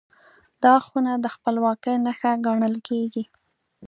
دا خونه د خپلواکۍ نښه ګڼل کېږي.